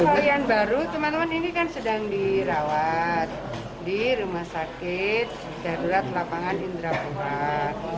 varian baru ini sedang dirawat di rumah sakit darurat lapangan indra bumar